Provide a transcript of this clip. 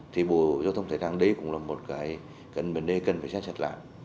thì bộ giao thông vận tải đang đấy cũng là một cái vấn đề cần phải xét xét lại